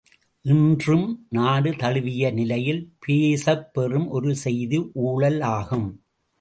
இன்றும் நாடு தழுவிய நிலையில் பேசப்பெறும் ஒரு செய்தி ஊழல் ஆகும்.